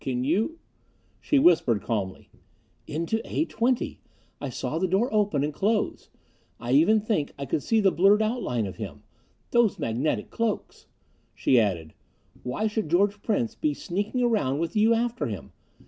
Can you " She whispered calmly, "Into A 20. I saw the door open and close I even think I could see the blurred outline of him. Those magnetic cloaks!" She added, "Why should George Prince be sneaking around with you after him?